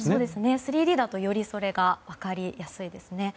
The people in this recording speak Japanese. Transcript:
３Ｄだとよりそれが分かりやすいですね。